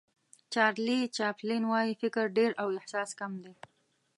چارلي چاپلین وایي فکر ډېر او احساس کم دی.